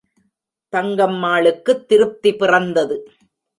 தங்கம்மாளுக்குத் திருப்தி பிறந்தது.